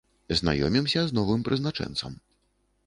Знаёмімся з новым прызначэнцам.